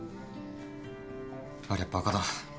ありゃバカだ。